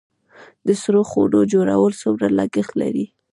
د سړو خونو جوړول څومره لګښت لري؟